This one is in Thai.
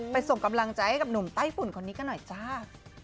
ส่งกำลังใจให้กับหนุ่มไต้ฝุ่นคนนี้กันหน่อยจ้า